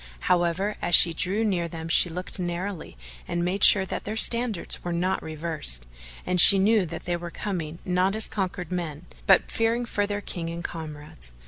However, as she drew near them she looked narrowly and made sure that their standards were not reversed,[FN#436] and she knew that they were coming not as conquered men, but fearing for their King and comrades.